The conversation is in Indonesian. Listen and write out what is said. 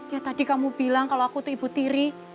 ya tadi kamu bilang kalau aku itu ibu tiri